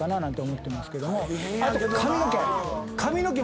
あと髪の毛。